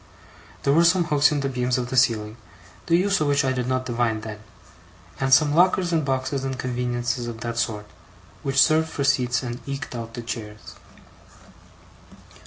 There were some hooks in the beams of the ceiling, the use of which I did not divine then; and some lockers and boxes and conveniences of that sort, which served for seats and eked out the chairs.